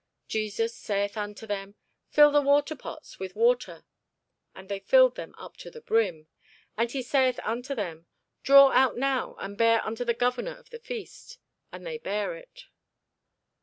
Jesus saith unto them, Fill the waterpots with water. And they filled them up to the brim. And he saith unto them, Draw out now, and bear unto the governor of the feast. And they bare it.